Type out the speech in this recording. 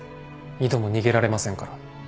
二度も逃げられませんから。